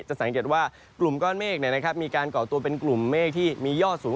สังเกตว่ากลุ่มก้อนเมฆมีการก่อตัวเป็นกลุ่มเมฆที่มียอดสูง